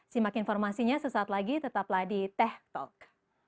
simak informasinya sesaat lagi tetaplah di teh talk